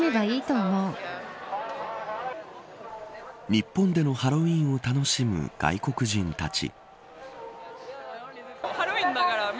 日本でのハロウィーンを楽しむ外国人たち。